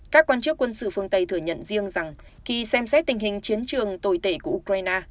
các quan chức quân sự phương tây thừa nhận riêng rằng khi xem xét tình hình chiến trường tồi tệ của ukraine